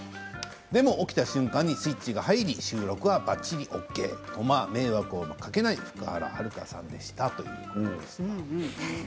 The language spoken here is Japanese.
でも起きた瞬間にスイッチが入り収録はばっちりＯＫまあ迷惑をかけない福原遥さんでした。